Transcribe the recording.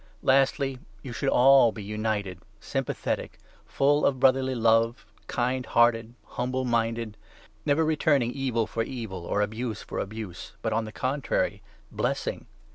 Lastly, you should all be united, sympathetic, 8 Christian full of brotherly love, kind hearted, humble Vo^bearance? mmded ; never returning evil for evil, or abuse 9 for abuse, but, on the contrary, blessing.